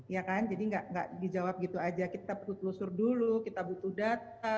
ya kan jadi nggak dijawab gitu aja kita butuh telusur dulu kita butuh data